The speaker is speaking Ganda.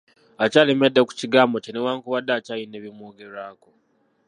Akyalemedde ku kigambo kye newankubadde akyalina ebimwogerwako.